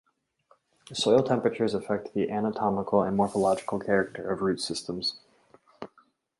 Soil temperatures affect the anatomical and morphological character of root systems.